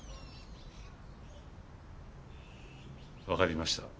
分かりました。